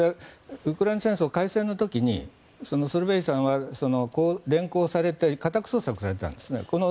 ウクライナ戦争開戦の時にその人は連行されて家宅捜索されていたんですね。